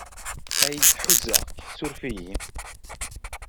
Ay, ḥuzaɣ-k, ssuref-iyi!